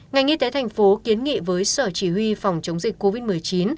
ngành y tế thành phố kiến nghị với sở chỉ huy phòng chống dịch covid một mươi chín